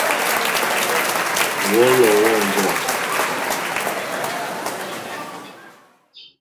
Wɔ̌lɔ̀ wóŋɡô.